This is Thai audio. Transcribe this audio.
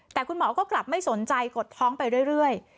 แต่คุณหมอก็กลับไม่สนใจกดท้องไปเรื่อย